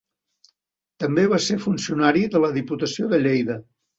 També va ser funcionari de la Diputació de Lleida.